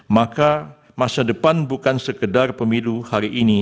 maka masa depan bukan sekedar pemilu hari ini